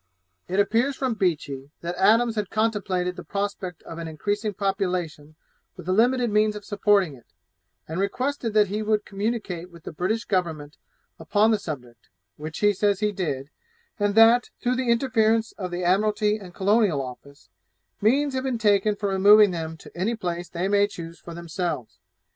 It appears from Beechey, that Adams had contemplated the prospect of an increasing population with the limited means of supporting it, and requested that he would communicate with the British Government upon the subject, which he says he did, and that, through the interference of the Admiralty and Colonial Office, means have been taken for removing them to any place they may choose for themselves.